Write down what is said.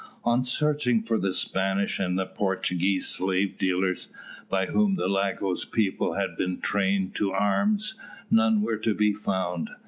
On searching for the Spanish and Portuguese slave dealers, by whom the Lagos people had been trained to arms, none were to be found.